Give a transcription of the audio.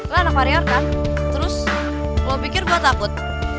lu anak varior kan terus lu pikir gua takut